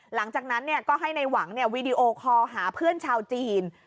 หลังจากนั้นก็ให้ในหวังวีดีโอคอลหาเพื่อนชาวจีน